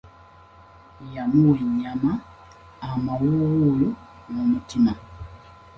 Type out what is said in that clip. Yamuwa ennyama, amawoowolo n’omutima.